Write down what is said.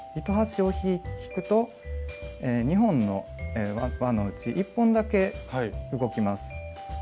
糸端を引くと２本の輪のうち１本だけ動きます。